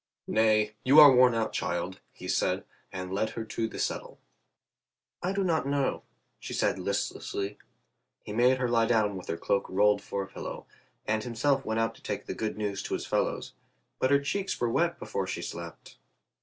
"Nay, you are worn out, child," he said, and led her to the settle. "I do not know," she said listlessly. He made her lie down with her cloak rolled for a pillow, and himself went out to take the good news to his fellows. But her cheeks were wet before she slept.